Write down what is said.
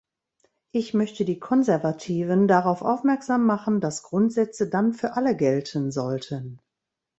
Ich möchte die Konservativen darauf aufmerksam machen, dass Grundsätze dann für alle gelten sollten.